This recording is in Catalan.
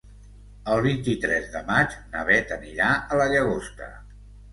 El vint-i-tres de maig na Beth anirà a la Llagosta.